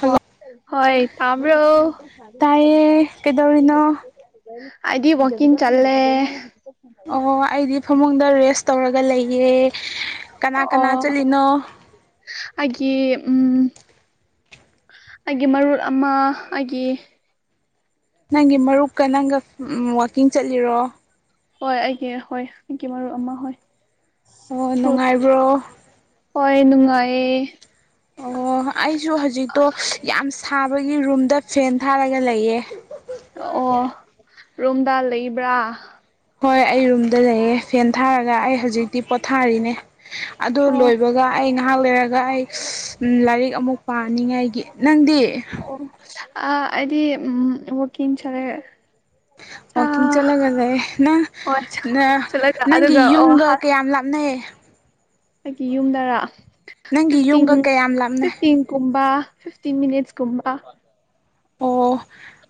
Hello ꯍꯣꯏ ꯇꯥꯕ꯭ꯔꯣ [unintelligible] ꯀꯔꯤ ꯇꯥꯏꯌꯦ ꯆꯥꯔ [unintelligible] ꯐꯖꯅꯤ ꯀꯩꯗꯧꯔꯤꯅꯣ ꯑꯩꯗꯤ ꯋꯥꯛꯀꯤꯡ ꯆꯠꯂꯦ ꯑꯣ ꯑꯩꯗꯤ ꯐꯃꯨꯡꯗ ꯔꯦꯁ ꯇꯧꯔꯒ ꯂꯩꯌꯦ꯫ ꯀꯅꯥ ꯀꯅꯥ ꯑꯣ ꯆꯠꯂꯤꯅꯣ ꯑꯩꯒꯤ ꯎꯝ ꯑꯩꯒꯤ ꯃꯔꯨꯞ ꯑꯃ ꯑꯩꯒꯤ ꯅꯪꯒꯤ ꯃꯔꯨꯞꯀ ꯅꯪꯒ ꯎꯝ ꯋꯥꯛꯀꯤꯡ ꯆꯠꯂꯤꯔꯣ ꯍꯣꯏ ꯑꯩꯒꯤ ꯍꯣꯏ ꯑꯩꯒꯤ ꯃꯔꯨꯞ ꯑꯃ ꯍꯣꯏ ꯑꯣ ꯍꯣꯏ ꯅꯨꯡꯉꯥꯏꯕ꯭ꯔꯣ ꯍꯣꯏ ꯅꯨꯡꯉꯥꯏꯌꯦ ꯑꯣ ꯑꯩꯁꯨ ꯍꯧꯖꯤꯛꯇꯣ ꯌꯥꯝ ꯁꯥꯕꯒꯤ ꯔꯨꯝꯗ ꯐꯦꯟ ꯊꯥꯔꯒ ꯂꯩꯌꯦ ꯑꯣ ꯔꯨꯝꯗ ꯂꯩꯕ꯭ꯔꯥ ꯍꯣꯏ ꯑꯩ ꯔꯨꯝꯗ ꯂꯩꯌꯦ ꯐꯦꯟ ꯊꯥꯔꯒ ꯑꯩ ꯑꯣ ꯍꯧꯖꯤꯛꯇꯤ ꯄꯣꯊꯥꯔꯤꯅꯦ ꯑꯗꯣ ꯑꯣ ꯂꯣꯏꯕ ꯑꯗꯨꯒ ꯑꯩ ꯉꯥꯏꯍꯥꯛ ꯂꯩꯔꯒ ꯑꯩ ꯂꯥꯏꯔꯤꯛ ꯑꯃꯨꯛ ꯄꯥꯅꯤꯡꯉꯥꯏꯒꯤ ꯅꯪꯗꯤ ꯑꯣ ꯑ ꯑꯩꯗꯤ ꯎꯝ ꯋꯥꯀꯤꯡ ꯆꯠꯂꯦ ꯋꯥꯛꯀꯤꯡ ꯑ ꯆꯠꯂꯒ ꯂꯩ ꯍꯣꯏ ꯅꯪ ꯆꯠꯂꯒ ꯅꯪꯒꯤ ꯑꯗꯨꯒ ꯑꯣ ꯌꯨꯝꯒ ꯀꯌꯥꯝ ꯂꯥꯞꯅꯩ ꯑꯩꯒꯤ ꯌꯨꯝꯗꯔꯥ ꯅꯪꯒꯤ ꯐꯤꯐꯇꯤꯟ ꯌꯨꯝꯒ ꯀꯌꯥꯝ ꯂꯥꯞꯅꯩ ꯐꯤꯐꯇꯤꯟ ꯀꯨꯝꯕ ꯐꯤꯐꯇꯤꯟ ꯃꯤꯅꯤꯠꯁ ꯀꯨꯝꯕ ꯑꯣ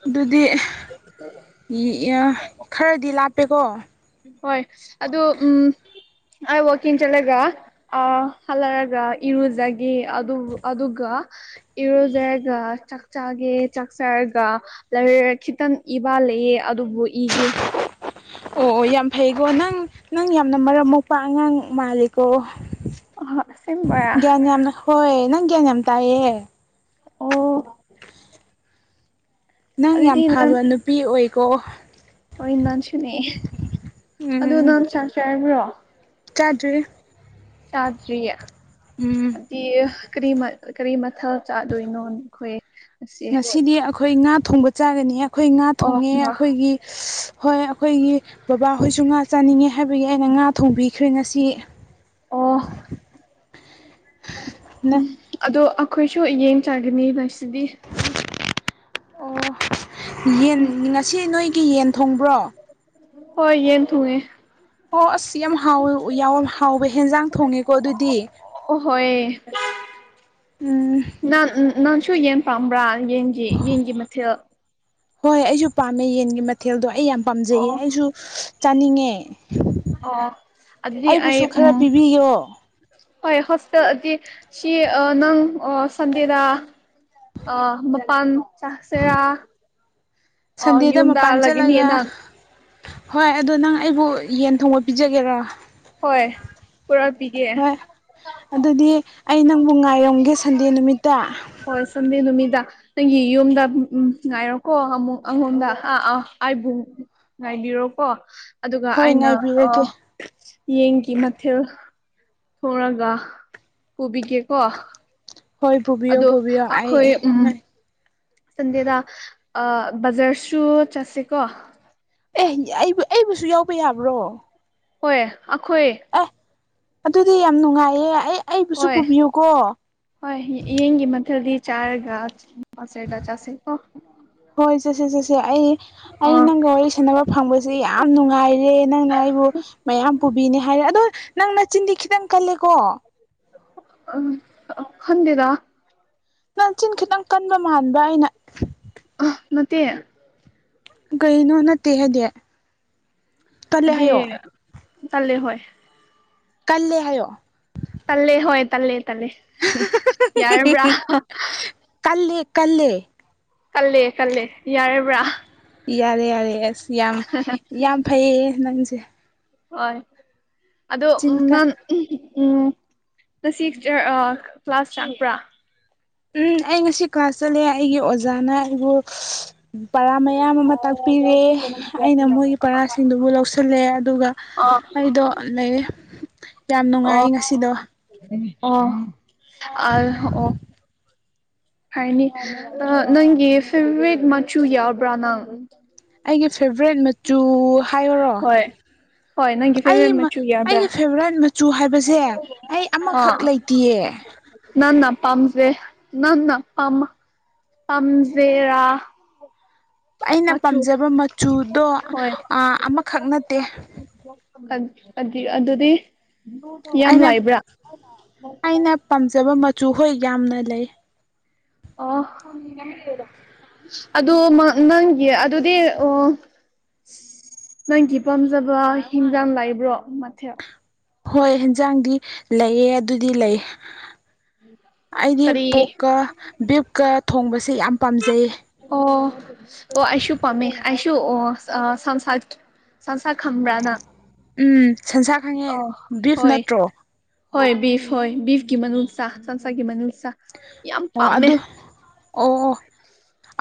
ꯑꯗꯨꯗꯤ [unintelligible] ꯈꯔꯗꯤ ꯂꯥꯞꯄꯦꯀꯣ ꯍꯣꯏ ꯑꯗꯨ ꯎꯝ ꯋꯥꯛꯀꯤꯡ ꯆꯠꯂꯒ ꯑ ꯍꯂꯔꯒ ꯏꯔꯨꯖꯒꯦ ꯑꯗꯨ ꯑꯗꯨꯒ ꯏꯔꯨꯖꯒ ꯆꯥꯛ ꯆꯒꯦ ꯆꯛ ꯆꯔꯒ ꯂꯥꯏꯔꯤꯛ ꯈꯤꯇꯪ ꯏꯕꯥ ꯂꯩꯑꯦ ꯑꯗꯨꯕꯨ ꯏꯒꯦ ꯑꯣ ꯑꯣ ꯌꯥꯝ ꯐꯩꯀꯣ ꯅꯪ ꯅꯪ ꯌꯥꯝꯅ ꯃꯔꯝ ꯃꯣꯛꯄ ꯑꯉꯥꯡ ꯃꯥꯜꯂꯤꯀꯣ ꯑꯁꯦꯡꯕꯔ ꯒ꯭ꯌꯥꯟ ꯌꯥꯝꯅ ꯍꯣꯏ ꯅꯪ ꯒ꯭ꯌꯥꯟ ꯌꯥꯝ ꯇꯥꯏꯌꯦ ꯑꯣ ꯅꯪ ꯌꯥꯝ ꯑꯗꯨꯗꯤ ꯅꯪ ꯐꯕ ꯅꯨꯄꯤ ꯑꯣꯏꯀꯣ꯫ ꯍꯣꯏ ꯅꯪꯁꯨꯅꯦ ꯑꯗꯨ ꯅꯪ ꯆꯥꯛ ꯆꯔꯕ꯭ꯔꯣ꯫ ꯆꯗ꯭ꯔꯤ꯫ ꯆꯗ꯭ꯔꯤ꯫ ꯎꯝ꯫ ꯗꯤ ꯀꯔꯤ ꯀꯔꯤ ꯃꯊꯦꯜ ꯆꯗꯣꯏꯅꯣ ꯅꯈꯣꯏ꯫ ꯉꯁꯤ ꯉꯁꯤꯗꯤ ꯑꯩꯈꯣꯏ ꯉꯥ ꯊꯣꯡꯕ ꯆꯥꯒꯅꯤ ꯑꯩꯈꯣꯏ ꯉꯥ ꯑꯣ ꯊꯣꯡꯉꯦ ꯑꯩꯈꯣꯏꯒꯤ꯫ ꯍꯣꯏ ꯑꯩꯈꯣꯏꯒꯤ ꯕꯕꯥ ꯍꯣꯏꯁꯨ ꯉꯥ ꯆꯥꯅꯤꯡꯉꯦ ꯍꯥꯏꯕꯒꯤ ꯑꯩꯅ ꯉꯥ ꯊꯣꯡꯕꯤꯈ꯭ꯔꯦ ꯉꯁꯤ꯫ ꯑꯣ꯫ [unintelligible] ꯑꯗꯣ ꯑꯩꯈꯣꯏꯁꯨ ꯌꯦꯟ ꯆꯥꯒꯅꯤ ꯉꯥꯁꯤꯗꯤ꯫ ꯑꯣ ꯌꯦꯟ ꯉꯁꯤ ꯅꯣꯏꯒꯤ ꯌꯦꯟ ꯊꯣꯡꯕ꯭ꯔꯣ꯫ ꯍꯣꯏ ꯌꯦꯟ ꯊꯣꯡꯉꯦ꯫ ꯑꯣ ꯑꯁ ꯌꯥꯝ ꯍꯥꯎꯋꯦ [unintelligible] ꯍꯥꯎꯕ ꯍꯦꯟꯖꯥꯡ ꯊꯣꯡꯉꯦꯀꯣ ꯑꯗꯨꯗꯤ꯫ ꯑꯣ ꯍꯣꯏ ꯎꯝ꯫ ꯅ ꯅꯪꯁꯨ ꯌꯦꯟ ꯄꯥꯝꯕ꯭ꯔꯥ ꯌꯦꯟꯒꯤ ꯌꯦꯟꯒꯤ ꯃꯊꯦꯜ꯫ ꯍꯣꯏ ꯑꯩꯁꯨ ꯄꯥꯝꯃꯦ ꯌꯦꯟꯒꯤ ꯃꯊꯦꯜꯗꯣ ꯑꯩ ꯌꯥꯝ ꯄꯥꯝꯖꯩꯌꯦ ꯑꯣ ꯑꯩꯁꯨ ꯆꯥꯅꯤꯡꯉꯦ꯫ ꯑꯣ ꯑꯗꯨꯗꯤ ꯑꯩ ꯑꯩꯕꯨꯁꯨ ꯎꯝ꯫ ꯈꯔ ꯄꯤꯕꯤꯌꯣ ꯍꯣꯏ ꯍꯣꯁꯇꯦꯜꯗꯤ ꯁꯤ ꯅꯪ ꯁꯟꯗꯦꯗ꯫ ꯑ ꯃꯄꯥꯟ ꯆꯁꯦꯔꯥ ꯑ ꯁꯟꯗꯦꯗ ꯌꯨꯝꯗ ꯃꯄꯥꯟ ꯍꯜꯂꯒꯅꯤ ꯆꯠꯂꯒ ꯅꯪ꯫ ꯍꯣꯏ ꯑꯗꯣ ꯅꯪ ꯑꯩꯕꯨ ꯌꯦꯟ ꯊꯣꯡꯕ ꯄꯤꯖꯒꯦꯔꯥ꯫ ꯍꯣꯏ ꯄꯨꯔꯛꯄꯤꯒꯦ꯫ ꯍꯣꯏ ꯑꯗꯨꯗꯤ ꯑꯩ ꯅꯪꯕꯨ ꯉꯥꯏꯔꯝꯒꯦ ꯁꯟꯗꯦ ꯅꯨꯃꯤꯠꯇ꯫ ꯍꯣꯏ ꯁꯟꯗꯦ ꯅꯨꯃꯤꯇ꯫ ꯅꯪꯒꯤ ꯌꯨꯝꯗ ꯎꯝ ꯉꯥꯏꯔꯣꯀꯣ ꯑꯃꯨꯛ [unintelligible] ꯉꯥꯏꯕꯤꯔꯣꯀꯣ ꯑꯗꯨꯒ ꯍꯣꯏ ꯑꯩꯅ ꯉꯥꯏꯕꯤꯔꯒꯦ ꯑꯥ ꯌꯦꯟꯒꯤ ꯃꯊꯦꯜ꯫ ꯊꯣꯡꯉꯒ ꯄꯨꯕꯤꯒꯦꯀꯣ꯫ ꯍꯣꯏ ꯄꯨꯕꯤꯌꯣ ꯑꯗꯣ ꯄꯨꯕꯤꯌꯣ ꯑꯩ ꯑꯩꯈꯣꯏ ꯎꯝ __ ꯁꯟꯗꯦꯗ ꯑꯥ ꯕꯖꯥꯔꯁꯨ ꯆꯠꯁꯤꯀꯣ꯫ ꯑꯦ ꯌ ꯑꯩꯕꯨ ꯑꯩꯕꯨꯁꯨ ꯌꯥꯎꯕ ꯌꯥꯕ꯭ꯔꯣ ꯍꯣꯏ ꯑꯩꯈꯣꯏ ꯑꯦ ꯑꯗꯨꯗꯤ ꯌꯥꯝ ꯅꯨꯡꯉꯥꯏꯌꯦ ꯑꯩ ꯑꯩꯕꯨꯁꯨ ꯍꯣꯏ ꯄꯨꯕꯤꯌꯨꯀꯣ ꯍꯣꯏ ꯌꯦ ꯌꯦꯟꯒꯤ ꯃꯊꯦꯜꯗꯤ ꯆꯥꯔꯒ ꯆ [unintelligible] ꯁꯔꯗ ꯆꯠꯁꯦꯀꯣ ꯍꯣꯏ ꯆꯠꯁꯦ ꯆꯠꯁꯦ ꯑꯩ ꯑꯩ ꯑꯣ ꯅꯪꯒ ꯋꯥꯔꯤ ꯁꯥꯟꯅꯕ ꯐꯪꯕꯁꯦ ꯌꯥꯝ ꯅꯨꯡꯉꯥꯏꯔꯦ ꯅꯪꯅ ꯑꯩꯕꯨ ꯃꯌꯥꯝ ꯄꯨꯕꯤꯅꯤ ꯍꯥꯏꯔꯦ ꯑꯗꯣ ꯅꯪ ꯅꯆꯤꯟꯗꯤ ꯈꯤꯇꯪ ꯀꯜꯂꯦꯀꯣ [unintelligible] ꯑꯪ ꯑ ꯈꯪꯗꯦꯗ ꯅꯪ ꯆꯤꯟ ꯈꯤꯇꯪ ꯀꯟꯕ ꯃꯥꯟꯕ ꯑꯩꯅ ꯑ ꯅꯠꯇꯦ ꯀꯩꯅꯣ ꯅꯠꯇꯦ ꯍꯥꯏꯗꯤ ꯀꯜꯂꯦ ꯑꯗꯤ ꯍꯥꯏꯌꯣ ꯇꯜꯂꯦ ꯍꯣꯏ ꯀꯜꯂꯦ ꯍꯥꯏꯌꯣ ꯇꯜꯂꯦ ꯍꯣꯏ ꯇꯜꯂꯦ ꯇꯜꯂꯦ [unintelligible] ꯌꯥꯔꯕ꯭ꯔꯥ [unintelligible] ꯀꯜꯂꯦ ꯀꯜꯂꯦ ꯀꯜꯂꯦ ꯀꯜꯂꯦ ꯌꯥꯔꯕ꯭ꯔꯥ ꯌꯥꯔꯦ ꯌꯥꯔꯦ ꯑꯁ ꯌꯥꯝ ꯌꯥꯝ ꯐꯩꯌꯦ ꯅꯪꯁꯦ ꯍꯣꯏ ꯑꯗꯣ ꯆꯤꯟ ꯀꯟ ꯅꯪ [unintelligible] ꯎꯝ ꯉꯁꯤ ꯆ ꯑ ꯀ꯭ꯂꯥꯁ ꯆꯞꯄ꯭ꯔꯥ ꯎꯝ ꯑꯩ ꯉꯁꯤ ꯀ꯭ꯂꯥꯁ ꯆꯠꯂꯦ ꯑꯩꯒꯤ ꯑꯣꯖꯥꯅ ꯑꯩꯕꯨ [unintelligible] ꯎꯝ ꯄꯔꯥ ꯃꯌꯥꯝ ꯑꯃ ꯇꯥꯛꯄꯤꯔꯦ ꯑꯩꯅ ꯃꯣꯏꯒꯤ ꯄꯔꯥꯁꯤꯡꯗꯨꯕꯨ ꯂꯧꯁꯤꯜꯂꯦ ꯑꯗꯨꯒ ꯑꯣ ꯑꯩꯗꯣ ꯂꯩꯔꯦ ꯌꯥꯝ ꯅꯨꯡꯉꯥꯏ ꯉꯁꯤꯗꯣ ꯎꯝ ꯑꯥ [unintelligible] ꯑꯥꯏ ꯑꯣ ꯐꯩꯅꯤ ꯑ ꯅꯪꯒꯤ ꯐꯤꯜꯃꯤꯛ ꯃꯆꯨ ꯌꯥꯎꯕ꯭ꯔꯥ ꯅꯪ [unintelligible] ꯑꯩꯒꯤ ꯐꯦꯚꯔꯥꯏꯠ ꯃꯆꯨ ꯍꯥꯏꯌꯨꯔꯣ ꯍꯣꯏ ꯍꯣꯏ ꯅꯪꯒꯤ ꯑꯩ ꯐꯦꯚꯣꯔꯥꯏꯠ ꯃ ꯃꯆꯨ ꯌꯥꯕ꯭ꯔꯥ ꯑꯩ ꯐꯦꯚꯔꯥꯏꯠ ꯃꯆꯨ ꯍꯥꯏꯕꯁꯦ ꯑꯩ ꯑꯃꯈꯛ ꯂꯩꯇꯤꯌꯦ ꯅꯪꯅꯥ ꯄꯝꯖꯦ ꯅꯪꯅ ꯄꯥꯥꯝꯃ ꯄꯥꯝꯖꯦꯔꯥ ꯑꯩꯅ ꯃꯆꯨ ꯄꯥꯝꯖꯕ ꯃꯆꯨꯗꯣ ꯑꯥ ꯑꯃꯈꯛ ꯅꯠꯇꯦ [unintelligible] ꯑꯠ ꯑꯗꯤ ꯑꯗꯨꯗꯤ [unintelligible] ꯑꯩꯅ ꯂꯩꯕ꯭ꯔꯥ ꯑꯩꯅ ꯄꯥꯝꯖꯕ ꯃꯆꯨ ꯍꯣꯏ ꯌꯥꯝꯅ ꯂꯩ ꯑꯣ [unintelligible] ꯑꯗꯨꯃꯛ ꯅꯪꯒꯤ ꯑꯗꯨꯗꯤ ꯑꯣ ꯅꯪꯒꯤ ꯄꯥꯝꯖꯕ ꯍꯤꯟꯖꯥꯡ ꯂꯩꯕ꯭ꯔꯣ ꯃꯊꯦꯜ ꯍꯣꯏ ꯍꯦꯟꯖꯥꯡꯗꯤ ꯂꯩꯌꯦ ꯑꯗꯨꯗꯤ ꯂꯩ ꯑꯩꯗꯤ ꯀꯔꯤ ꯄꯣꯛꯀ ꯕꯤꯞꯀ ꯊꯣꯡꯕꯁꯦ ꯌꯥꯝ ꯄꯥꯝꯖꯩ ꯑꯣ ꯑꯣ ꯑꯩꯁꯨ ꯄꯝꯃꯦ ꯑꯩꯁꯨ ꯑꯣ ꯑꯥ ꯁ ꯁꯟꯁꯥꯏꯠ ꯁꯟꯁꯥ ꯈꯪꯝꯕ꯭ꯔ ꯅꯪ ꯎꯝ ꯁꯟꯁꯥ ꯈꯪꯉꯦ ꯑꯣ ꯕꯤꯞ ꯍꯣꯏ ꯅꯠꯇ꯭ꯔꯣ ꯍꯣꯏ ꯕꯤꯞ ꯍꯣꯏ ꯕꯤꯞꯀꯤ ꯃꯅꯨꯡꯁꯥ ꯁꯟꯁꯥꯒꯤ ꯃꯅꯨꯡꯁꯥ ꯌꯥꯝ ꯑꯣ ꯄꯥꯝꯃꯦ ꯑꯗꯨ ꯑꯣ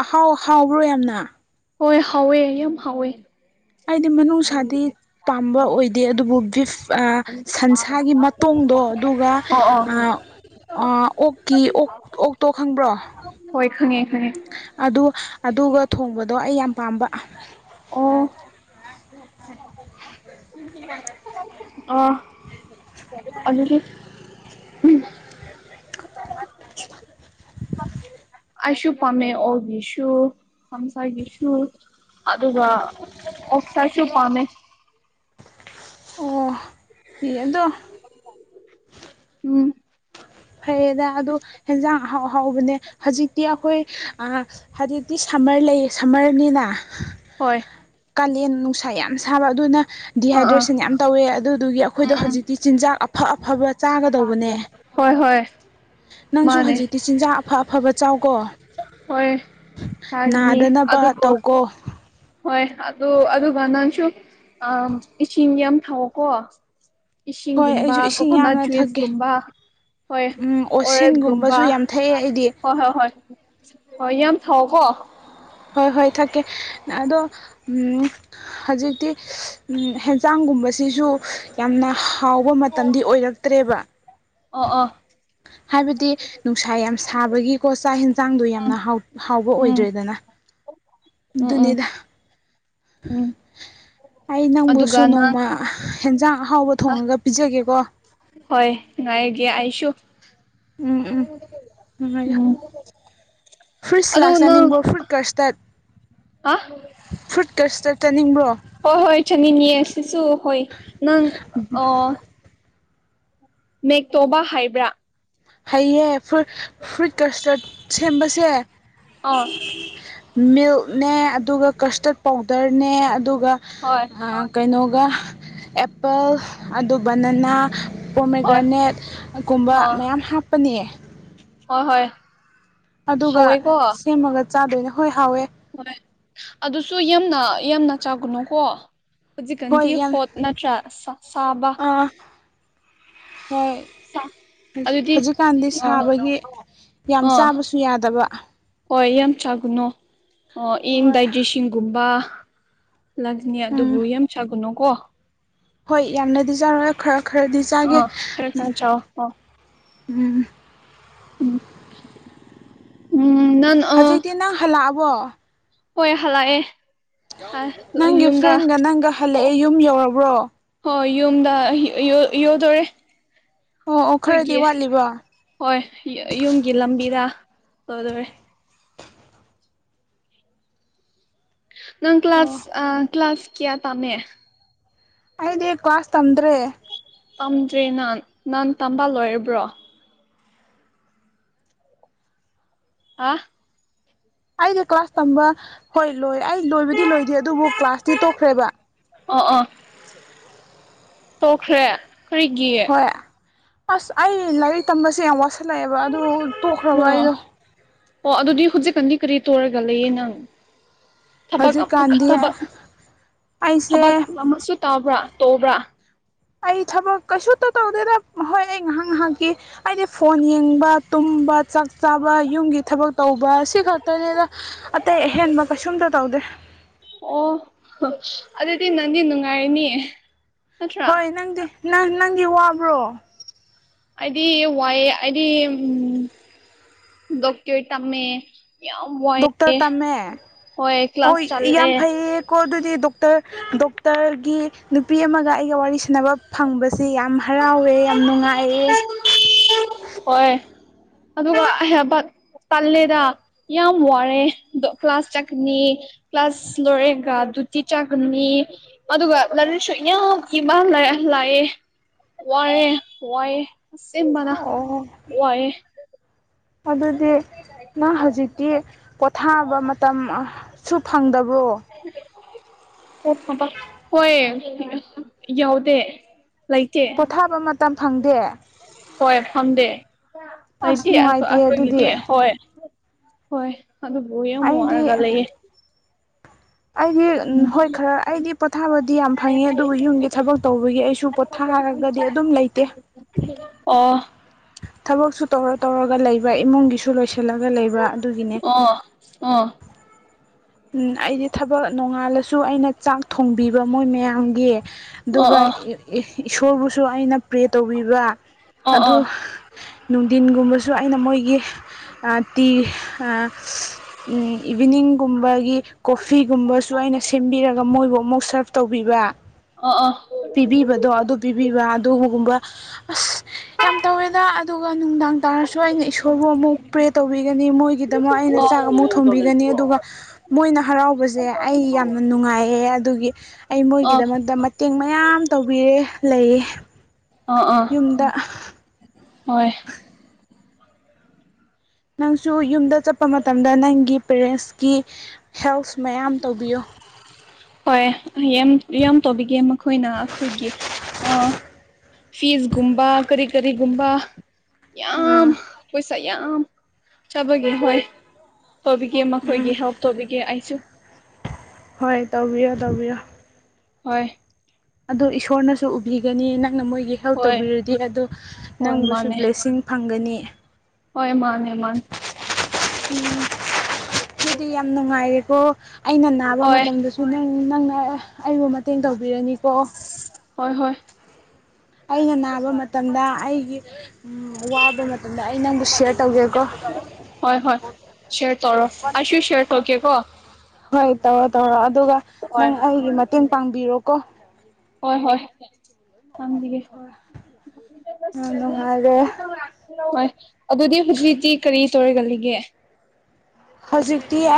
ꯑꯍꯥꯎ ꯍꯥꯎꯕ꯭ꯔꯣ ꯌꯥꯝꯅ ꯍꯣꯏ ꯍꯥꯎꯋꯦ ꯌꯥꯝ ꯍꯥꯎꯋꯦ ꯑꯩꯗꯤ ꯃꯅꯨꯡꯁꯥꯗꯤ ꯄꯥꯝꯕ ꯑꯣꯏꯗꯦ ꯑꯗꯨꯕꯨ ꯕꯤꯞ ꯑꯥ ꯁꯟꯁꯥꯒꯤ ꯃꯠ ꯇꯣꯡꯗꯣ ꯑꯗꯨꯒ ꯑꯣ ꯑꯣ ꯑ ꯑ ꯑꯣꯛꯀꯤ ꯑꯣꯛ ꯑꯣꯛꯇꯣ ꯈꯪꯕ꯭ꯔꯣ [unintelligible] ꯍꯣꯏ ꯈꯪꯉꯦ ꯈꯪꯉꯦ ꯑꯗꯨ ꯑꯗꯨꯒ ꯊꯣꯡꯕꯗꯣ ꯑꯩ ꯌꯥꯝ ꯄꯥꯝꯕ ꯑꯣ ꯑ ꯑꯗꯨꯗꯤ ꯎꯝ [unintelligible] ꯑꯩꯁꯨ ꯄꯥꯝꯃꯦ ꯑꯣꯛꯒꯤꯁꯨ ꯐꯝꯁꯥꯒꯤꯁꯨ ꯑꯗꯨꯒ ꯑꯣꯛꯁꯥꯁꯨ ꯄꯥꯝꯃꯦ ꯑꯣ ꯏ ꯑꯗꯣ ꯎꯝ ꯐꯩꯌꯦꯗ ꯑꯗꯨ ꯍꯦꯟꯖꯥꯡ ꯑꯍꯥꯎ ꯑꯍꯥꯎꯕꯅꯦ ꯍꯧꯖꯤꯛꯇꯤ ꯑꯩꯈꯣꯏ ꯑꯥ ꯍꯥꯏꯗꯤ ꯇꯤ ꯁꯝꯃꯔ ꯂꯩꯔꯦ ꯁꯝꯃꯔꯅꯤꯅ ꯍꯣꯏ ꯀꯥꯂꯦꯟ ꯅꯨꯡꯁꯥ ꯌꯥꯝ ꯁꯥꯕ ꯑꯗꯨꯅ ꯑꯥ ꯑꯥ ꯗꯤꯍꯥꯏꯗ꯭ꯔꯦꯁꯟ ꯌꯥꯝ ꯇꯧꯋꯦ ꯑꯗꯨꯗꯨꯒꯤ ꯎꯝ ꯑꯩꯈꯣꯏꯗꯣ ꯎꯝ ꯍꯧꯖꯤꯛꯇꯤ ꯆꯤꯟꯖꯥꯛ ꯑꯐ ꯑꯐꯕ ꯆꯥꯒꯗꯧꯕꯅꯦ ꯍꯣꯏ ꯍꯣꯏ ꯅꯪꯁꯨ ꯃꯥꯅꯦ ꯍꯧꯖꯤꯛꯇꯤ ꯆꯤꯟꯖꯥꯛ ꯑꯐ ꯑꯐꯕ ꯆꯥꯎꯀꯣ ꯍꯣꯏ ꯆꯥꯒꯅꯤ ꯅꯥꯗꯅꯕ ꯑꯗꯨꯕꯨ ꯇꯧꯀꯣ ꯍꯣꯏ ꯑꯗꯨ ꯑꯗꯨꯒ ꯅꯪꯁꯨ ꯑ ꯏꯁꯤꯡ ꯌꯥꯝ ꯊꯛꯎꯀꯣ ꯍꯣꯏ ꯏꯁꯤꯡꯒꯨꯝꯕ ꯑꯩꯁꯨ ꯏꯁꯤꯡ ꯀꯣꯀꯣꯅꯠ ꯌꯥꯝꯅ ꯊꯛꯀꯦ ꯖꯨꯏꯁꯒꯨꯝꯕ ꯍꯣꯏ ꯎꯝ ꯑꯣꯔꯦꯠꯒꯨꯝꯕꯥ ꯑꯣꯁꯤꯟꯒꯨꯝꯕꯁꯨ ꯌꯥꯝ ꯊꯛꯑꯦ ꯑꯩꯗꯤ ꯍꯣ ꯍꯣꯏ ꯍꯣꯏ ꯍꯣꯏ ꯌꯥꯝ ꯊꯥꯎꯀꯣ ꯍꯣꯏ ꯍꯣꯏ ꯊꯛꯀꯦ ꯑꯗꯣ ꯎꯝ ꯍꯧꯖꯤꯛꯇꯤ ꯎꯝ ꯍꯦꯟꯖꯥꯡꯒꯨꯝꯕꯁꯤꯁꯨ ꯌꯥꯝꯅ ꯍꯥꯎꯕ ꯃꯇꯝꯗꯤ ꯑꯣꯏꯔꯛꯇ꯭ꯔꯦꯕ ꯑ ꯑ ꯍꯥꯏꯕꯗꯤ ꯅꯨꯡꯁꯥ ꯌꯥꯝ ꯁꯥꯕꯒꯤꯀꯣ ꯆꯥꯛ ꯍꯦꯟꯖꯥꯡꯗꯣ ꯌꯥꯝꯅ ꯍꯥꯎ ꯍꯥꯎꯕ ꯎꯝ ꯑꯣꯏꯗ꯭ꯔꯦꯗꯅ ꯎꯝ ꯎꯝ ꯑꯗꯨꯅꯤꯗ ꯎꯝ ꯑꯩ ꯅꯪꯕꯨꯁꯨ ꯑꯗꯨꯒ ꯅꯪ ꯅꯣꯡꯃ ꯍꯦꯟꯖꯥꯡ ꯑꯍꯥꯎꯕ ꯊꯣꯡꯉꯒ ꯄꯤꯖꯒꯦꯀꯣ ꯍꯣꯏ ꯉꯥꯏꯒꯦ ꯑꯩꯁꯨ ꯎꯝ ꯎꯝ ꯎꯝ ꯐ꯭ꯔꯨꯠ ꯁꯥꯂꯥꯗ ꯑꯗꯨ ꯅꯪ ꯆꯥꯅꯤꯡꯕ꯭ꯔꯣ ꯐ꯭ꯔꯨꯠ ꯍꯥ ꯀꯁꯇꯥ꯭ꯔꯗ ꯐ꯭ꯔꯨꯠ ꯀꯁꯇꯥ꯭ꯔꯗ ꯆꯥꯅꯤꯡꯕ꯭ꯔꯣ ꯍꯣꯏ ꯍꯣꯏ ꯆꯥꯅꯤꯡꯉꯤ ꯑꯁꯤꯁꯨ ꯍꯣꯏ ꯅꯪ ꯑꯣ ꯃꯦꯛ ꯇꯣꯕ ꯍꯩꯕ꯭ꯔꯥ ꯍꯩꯌꯦ ꯐ꯭ꯔꯨꯠ ꯐ꯭ꯔꯨꯠ ꯀꯁꯇꯥ‍꯭ꯔꯗ ꯁꯦꯝꯕꯁꯦ ꯑꯣ ꯃꯤꯜ꯭ꯀꯅꯦ ꯑꯗꯨꯒ ꯀꯁꯇꯥ꯭ꯔꯗ ꯄꯥꯎꯗꯔꯅꯦ ꯑꯗꯨꯒ ꯍꯣꯏ ꯑ ꯀꯩꯅꯣꯒ ꯑꯦꯄꯜ ꯑꯗꯨ ꯕꯅꯅꯥ ꯍꯣꯏ ꯄꯣꯃꯦꯒ꯭ꯔꯥꯅꯦꯠ ꯑ ꯀꯨꯝꯕ ꯑꯥ ꯃꯌꯥꯝ ꯍꯥꯞꯄꯅꯤ ꯍꯣꯏ ꯍꯣꯏ ꯑꯗꯨꯒ ꯍꯥꯎꯋꯦꯀꯣ ꯁꯦꯝꯃꯒ ꯆꯥꯗꯣꯏꯅꯦ ꯍꯣꯏ ꯍꯥꯎꯋꯦ ꯍꯣꯏ ꯑꯗꯨꯁꯨ ꯌꯥꯝꯅ ꯌꯥꯝꯅ ꯆꯥꯒꯅꯨꯀꯣ ꯍꯧꯖꯤꯛ ꯍꯣꯏ ꯀꯥꯟꯗꯤ ꯌꯥꯝ ꯍꯣꯠ ꯅꯠꯇ꯭ꯔ ꯁꯥ ꯁꯥꯕ ꯑꯥ ꯍꯣꯏ ꯑꯗꯨꯗꯤ ꯍꯧꯖꯤꯛ ꯀꯥꯟꯗꯤ ꯑ ꯁꯥꯕꯒꯤ ꯌꯥꯝ ꯑꯥ ꯆꯥꯕꯁꯨ ꯌꯥꯗꯕ ꯍꯣꯏ ꯌꯥꯝ ꯆꯥꯒꯨꯅꯨ ꯑ ꯍꯣꯏ ꯏꯟꯗꯥꯏꯖꯦꯁꯟ ꯒꯨꯝꯕ ꯂꯥꯛꯀꯅꯤ ꯎꯝ ꯑꯗꯨꯕꯨ ꯌꯥꯝ ꯆꯥꯒꯅꯨꯀꯣ ꯍꯣꯏ ꯌꯥꯝꯅꯗꯤ ꯆꯥꯔꯣꯏ ꯈꯔ ꯈꯔꯗꯤ ꯆꯥꯒꯦ ꯑꯥ ꯈꯔ ꯈꯔ ꯆꯥꯎ ꯑꯣ ꯎꯝ ꯎꯝ ꯎꯝ ꯅꯪꯅ ꯍꯧꯖꯤꯛꯇꯤ ꯅꯪ ꯍꯜꯂꯛꯑꯕ꯭ꯔꯣ ꯍꯣꯏ ꯍꯥꯜꯂꯛꯑꯦ ꯅꯪꯒꯤ ꯐ꯭ꯔꯦꯟꯒ ꯅꯪꯒ ꯍꯜꯂꯛꯑꯦ ꯑꯣ ꯌꯨꯝ ꯌꯧꯔꯕ꯭ꯔꯣ ꯍꯣꯏ ꯌꯨꯝꯗ [unintelligible] ꯌꯧꯗꯨꯔꯦ ꯑꯣ ꯑꯣ ꯈꯔꯗꯤ ꯑꯩꯈꯣꯏꯒꯤ ꯋꯥꯠꯂꯤꯕ ꯍꯣꯏ ꯌ ꯌꯨꯝꯒꯤ ꯂꯝꯕꯤꯗ ꯌꯧꯗꯣꯔꯦ ꯅꯪ ꯀ꯭ꯂꯥꯁ ꯑꯣ ꯑ ꯀ꯭ꯂꯥꯁꯥ ꯀꯌꯥ ꯇꯝꯃꯦ ꯑꯩꯗꯤ ꯀ꯭ꯂꯥꯁ ꯇꯝꯗ꯭ꯔꯦ ꯇꯝꯗ꯭ꯔꯦꯅ ꯅꯍꯥꯟ ꯇꯝꯕ ꯂꯣꯏꯔꯕ꯭ꯔꯣ ꯑꯥ ꯑꯩꯗꯤ ꯀ꯭ꯂꯥꯁ ꯇꯝꯕ ꯍꯣꯏ ꯂꯣꯏ ꯑꯩ ꯂꯣꯏꯕꯗꯤ ꯂꯣꯏꯗꯦ ꯑꯗꯨꯕꯨ ꯀ꯭ꯂꯥꯁꯇꯤ ꯇꯣꯛꯈ꯭ꯔꯦꯕ ꯑꯣ ꯑꯣ ꯇꯣꯛꯈ꯭ꯔꯦ ꯀꯔꯤꯒꯤ ꯑꯁ ꯑꯩ ꯂꯥꯏꯔꯤꯛ ꯇꯝꯕꯁꯦ ꯌꯥꯝ ꯋꯥꯁꯜꯂꯛꯑꯦꯕ ꯑꯗꯨ ꯇꯣꯛꯈ꯭ꯔꯕ ꯑꯣ ꯑꯩꯗꯣ ꯑꯣ ꯑꯗꯨꯗꯤ ꯍꯧꯖꯤꯛ ꯀꯥꯟꯗꯤ ꯀꯔꯤ ꯇꯣꯏꯔꯒ ꯂꯩꯌꯦ ꯅꯪ ꯊꯕꯛ [unintelligible] ꯍꯧꯖꯤꯛꯀꯥꯟꯗꯤ ꯊꯕꯛ ꯑꯩꯁꯦ ꯊꯕꯛ ꯑꯃꯁꯨ ꯇꯥꯕ꯭ꯔꯥ ꯇꯧꯕ꯭ꯔꯥ ꯑꯩ ꯊꯕꯛ ꯀꯩꯁꯨꯇ ꯇꯧꯗꯦꯗ ꯍꯣꯏ ꯑꯩ ꯉꯥꯏꯍꯥꯛ ꯉꯥꯏꯍꯥꯛꯀꯤ ꯑꯩꯗꯤ ꯐꯣꯟ ꯌꯦꯡꯕ ꯇꯨꯝꯕ ꯆꯥꯛ ꯆꯥꯕ ꯌꯨꯝꯒꯤ ꯊꯕꯛ ꯇꯧꯕ ꯁꯤ ꯈꯛꯇꯅꯦꯗ ꯑꯇꯩ ꯑꯍꯦꯟꯕ ꯀꯩꯁꯨꯝꯇ ꯇꯧꯗꯦ ꯑꯣ ꯍ ꯑꯗꯨꯗꯤ ꯅꯪꯗꯤ ꯅꯨꯡꯉꯥꯏꯔꯅꯤ ꯅꯠꯇ꯭ꯔꯥ ꯍꯣꯏ ꯅꯪꯗꯤ ꯅꯪ ꯅꯪꯒꯤ ꯋꯥꯕ꯭ꯔꯣ ꯑꯩꯗꯤ ꯋꯥꯏꯑꯦ ꯑꯩꯗꯤ ꯎꯝ ꯗꯣꯛꯇꯨ꯭ꯔ ꯇꯝꯃꯦ ꯌꯥꯝ ꯗꯣꯛꯇꯔ ꯋꯥꯏꯑꯦ ꯇꯝꯃꯦ ꯍꯣꯏ ꯀ꯭ꯂꯥꯁ ꯆꯠꯂꯦ ꯀꯣ ꯑꯗꯨꯗꯤ ꯗꯣꯛꯇꯔ ꯗꯣꯛꯇꯔꯒꯤ ꯅꯨꯄꯤ ꯑꯃꯒ ꯑꯩꯒ ꯋꯥꯔꯤ ꯁꯥꯟꯅꯕ ꯐꯪꯕꯁꯦ ꯌꯥꯝ ꯍꯔꯥꯎꯋꯦ ꯌꯥꯝ ꯅꯨꯡꯉꯥꯏꯑꯦ ꯍꯣꯏ ꯑꯗꯨꯒ ꯑꯩ ꯍꯥꯏꯕꯠ ꯇꯜꯂꯦꯗ ꯌꯥꯝ ꯋꯥꯔꯦꯗꯣ ꯀ꯭ꯂꯥꯁ ꯆꯥꯠꯀꯅꯤ ꯀ꯭ꯂꯥꯁ ꯂꯣꯏꯔꯦꯒ ꯗꯤꯎꯇꯤ ꯆꯥꯠꯀꯅꯤ ꯑꯗꯨꯒ ꯂꯥꯏꯔꯤꯛꯁꯨ ꯌꯝ ꯏꯕ [unintelligible] ꯂꯥꯛꯑꯦ ꯋꯥꯔꯦ ꯋꯥꯏ ꯑꯁꯦꯡꯕꯅ ꯑꯣ ꯋꯥꯏ ꯑꯗꯨꯗꯤ ꯅꯪ ꯍꯧꯖꯤꯛꯇꯤ ꯄꯣꯊꯥꯕ ꯃꯇꯝ ꯑꯥ ꯁꯨ ꯐꯪꯗꯕ꯭ꯔꯣ ꯑꯣꯕ ꯊꯕꯛ ꯍꯣꯏ ꯌꯥꯎꯗꯦ ꯂꯩꯇꯦ ꯄꯣꯊꯥꯕ ꯃꯇꯝ ꯐꯪꯗꯦ ꯍꯣꯏ ꯐꯝꯗꯦ ꯑꯁ ꯑꯩꯗꯤ ꯑꯈꯣꯏ ꯅꯨꯡꯉꯥꯏꯇꯦ ꯑꯗꯨꯗꯤ ꯑꯩꯈꯣꯏꯒꯤꯗꯤ ꯍꯣꯏ ꯍꯣꯏ ꯑꯗꯨꯕꯨ ꯌꯥꯝ ꯑꯩꯗꯤ ꯋꯥꯔꯒ ꯂꯩꯌꯦ ꯑꯩꯗꯤ ꯎꯝ ꯍꯣꯏ ꯈꯔ ꯑꯩꯗꯤ ꯄꯣꯊꯥꯕꯗꯤ ꯌꯥꯝ ꯐꯪꯉꯦ ꯑꯗꯨꯕꯨ ꯌꯨꯝꯒꯤ ꯊꯕꯛ ꯇꯧꯕꯒꯤ ꯑꯩꯁꯨ ꯄꯣꯠ ꯊꯥꯔꯒꯗꯤ ꯑꯗꯨꯝ ꯂꯩꯇꯦ ꯑꯣ ꯊꯕꯛꯁꯨ ꯇꯧꯔ ꯇꯧꯔꯒ ꯂꯩꯕ ꯏꯃꯨꯡꯒꯤꯁꯨ ꯂꯣꯏꯁꯤꯜꯂꯒ ꯂꯩꯕ ꯑꯗꯨꯒꯤꯅꯦ ꯑꯣ ꯑꯣ ꯎꯝ ꯑꯩꯗꯤ ꯊꯕꯛ ꯅꯣꯡꯉꯥꯜꯂꯁꯨ ꯑꯩꯅ ꯆꯥꯛ ꯊꯣꯡꯕꯤꯕ ꯃꯣꯏ ꯃꯌꯥꯝꯒꯤ ꯑꯣ ꯑꯣ ꯑꯣ ꯑꯣ ꯑꯣ ꯑꯣ ꯑꯗꯨꯒ ꯏꯁꯣꯔꯕꯨꯁꯨ ꯑꯩꯅ ꯄ꯭ꯔꯦ ꯇꯧꯕꯤꯕ ꯑꯗꯨ ꯅꯨꯡꯊꯤꯟꯒꯨꯝꯕꯁꯨ ꯑꯩꯅ ꯃꯣꯏꯒꯤ ꯑ ꯇꯤ ꯑ ꯎꯝ ꯏꯚꯤꯅꯤꯡꯒꯨꯝꯕ ꯑꯗꯒꯤ ꯀꯣꯐꯤꯒꯨꯝꯕꯁꯨ ꯑꯩꯅ ꯁꯦꯝꯕꯤꯔꯒ ꯃꯣꯏꯕꯨ ꯑꯃꯨꯛ ꯁꯥꯔꯚ ꯇꯧꯕꯤꯕ ꯑꯣ ꯑꯣ ꯄꯤꯕꯤꯕꯗꯣ ꯑꯗꯨ ꯄꯤꯕꯤꯕ ꯑꯗꯨꯒꯨꯝꯕ ꯑꯁ ꯌꯥꯝ ꯇꯧꯋꯦꯗ ꯑꯗꯨꯒ ꯅꯨꯡꯗꯥꯡ ꯇꯥꯔꯁꯨ ꯑꯩꯅ ꯏꯁꯣꯔꯕꯨ ꯑꯃꯨꯛ ꯄ꯭ꯔꯦ ꯇꯧꯕꯤꯒꯅꯤ ꯃꯣꯏꯒꯤꯗꯃꯛ ꯑꯩꯅ ꯆꯥꯛ ꯑꯃꯨꯛ ꯊꯣꯡꯕꯤꯒꯅꯤ ꯑꯗꯨꯒ ꯃꯣꯏꯅ ꯍꯔꯥꯎꯕꯁꯦ ꯑꯩ ꯌꯥꯝꯅ ꯅꯨꯡꯉꯥꯏꯌꯦ ꯑꯗꯨꯒꯤ ꯑꯩ ꯑꯣ ꯑꯣ ꯃꯣꯏꯒꯤꯗꯃꯛꯇ ꯃꯇꯦꯡ ꯃꯌꯥꯝ ꯇꯧꯕꯤꯔꯦ ꯂꯩꯌꯦ ꯑ ꯑ ꯌꯨꯝꯗ ꯍꯣꯏ ꯅꯪꯁꯨ ꯌꯨꯝꯗ ꯆꯠꯄ ꯃꯇꯝꯗ ꯅꯪꯒꯤ ꯄꯦꯔꯦꯟꯁꯀꯤ ꯍꯦꯜꯄꯁ ꯃꯌꯥꯝ ꯇꯧꯕꯤꯌꯨ ꯍꯣꯏ ꯌꯥꯝ ꯇꯧꯕꯤꯒꯦ ꯃꯈꯣꯏꯅ ꯑꯩꯈꯣꯏꯒꯤ ꯑ ꯐꯤꯁꯒꯨꯝꯕ ꯀꯔꯤ ꯀꯔꯤꯒꯨꯝꯕ ꯌꯥꯝ ꯑꯥ ꯄꯩꯁꯥ ꯌꯥꯝ ꯆꯥꯕꯒꯤ ꯍꯣꯏ ꯇꯧꯕꯤꯒꯦ ꯃꯈꯣꯏꯒꯤ ꯎꯝ ꯍꯦꯜꯞ ꯇꯧꯕꯤꯒꯦ ꯑꯩꯁꯨ ꯍꯣꯏ ꯇꯧꯕꯤꯌꯣ ꯇꯧꯕꯤꯌꯣ ꯍꯣꯏ ꯑꯗꯣ ꯏꯁꯣꯔꯅꯁꯨ ꯎꯕꯤꯒꯅꯤ ꯅꯪꯅ ꯃꯣꯏꯒꯤ ꯍꯦꯜꯞ ꯍꯣꯏ ꯇꯧꯕꯤꯔꯗꯤ ꯑꯗꯣ ꯍꯣꯏ ꯅꯪꯕꯨꯁꯨ ꯃꯥꯅꯦ ꯕ꯭ꯂꯦꯁꯤꯡ ꯐꯪꯒꯅꯤ ꯍꯣꯏ ꯃꯥꯅꯦ ꯃꯥꯅꯦ [unintelligible] ꯎꯝ ꯃꯤꯗꯤ ꯌꯥꯝ ꯅꯨꯡꯉꯥꯏꯔꯦꯀꯣ ꯑꯩꯅ ꯅꯥꯕ ꯍꯣꯏ ꯃꯇꯝꯗꯁꯨ ꯍꯣꯔꯦꯟ ꯅꯪꯅ ꯑꯩꯕꯨ ꯃꯇꯦꯡ ꯇꯧꯕꯤꯔꯅꯤꯀꯣ ꯍꯣꯏ ꯍꯣꯏ ꯑꯩꯅ ꯅꯥꯛ ꯃꯇꯝꯗ ꯑꯩꯒꯤ ꯋꯥꯕ ꯃꯇꯝꯗ ꯑꯩ ꯅꯪꯕꯨ ꯁꯤꯌꯔ ꯇꯧꯒꯦꯀꯣ ꯍꯣꯏ ꯍꯣꯏ ꯁꯦꯌꯔ ꯇꯧꯔꯣ ꯑꯩꯁꯨ ꯁꯦꯌꯔ ꯇꯧꯒꯦ ꯀꯣ ꯍꯣꯏ ꯇꯧꯔꯣ ꯇꯧꯔꯣ ꯑꯗꯨꯒ ꯅꯪ ꯑꯩꯒꯤ ꯃꯇꯦꯡ ꯄꯥꯡꯕꯤꯔꯣ ꯀꯣ ꯍꯣꯏ ꯍꯣꯏ ꯄꯥꯡꯕꯤꯒꯦ ꯌꯥꯝ ꯅꯨꯡꯉꯥꯏꯔꯦ ꯍꯣꯏ ꯑꯗꯨꯗꯤ ꯍꯧꯖꯤꯛꯇꯤ ꯀꯔꯤ ꯇꯧꯔꯒꯂꯩꯒꯦ ꯍꯧꯖꯤꯛꯇꯤ ꯑꯩ